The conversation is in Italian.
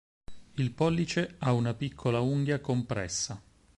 Il pollice ha una piccola unghia compressa.